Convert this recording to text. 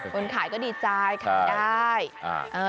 คนขายก็ดีใจขายได้